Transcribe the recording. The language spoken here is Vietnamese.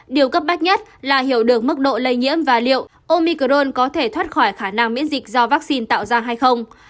điều cấp bách nhất là hiểu được mức độ lây nhiễm và liệu omicron có thể thoát khỏi khả năng miễn dịch do vaccine tạo ra hay không